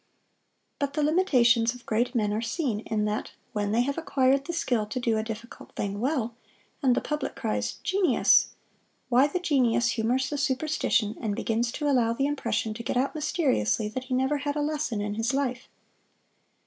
But the limitations of great men are seen in that when they have acquired the skill to do a difficult thing well, and the public cries, "Genius!" why the genius humors the superstition and begins to allow the impression to get out mysteriously that he "never had a lesson in his life."